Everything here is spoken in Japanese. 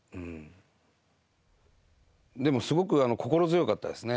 でもすごく心強かったですね。